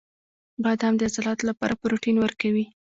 • بادام د عضلاتو لپاره پروټین ورکوي.